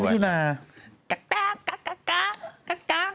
จิตดินพิธนา